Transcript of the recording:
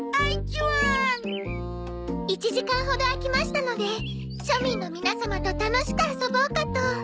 １時間ほど空きましたので庶民の皆様と楽しく遊ぼうかと。